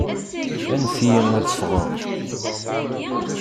Anef-iyi ad ffɣeɣ!